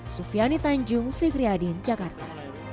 sufiani tanjung fikriadin jakarta